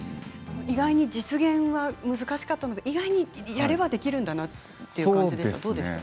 意外に実現は難しかったとか、意外にやればできるんだなという感じですか、どうでした？